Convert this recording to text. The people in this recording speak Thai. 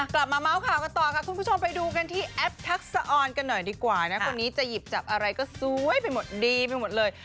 เมาส์ข่าวกันต่อค่ะคุณผู้ชมไปดูกันที่แอปทักษะออนกันหน่อยดีกว่านะคนนี้จะหยิบจับอะไรก็สวยไปหมดดีไปหมดเลย